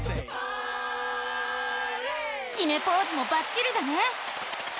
きめポーズもバッチリだね！